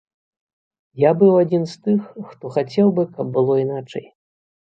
Я быў адзін з тых, хто хацеў бы, каб было іначай.